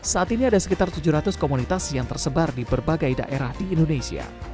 saat ini ada sekitar tujuh ratus komunitas yang tersebar di berbagai daerah di indonesia